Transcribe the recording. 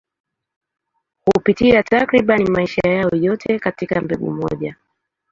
Hupitia takriban maisha yao yote katika mbegu moja.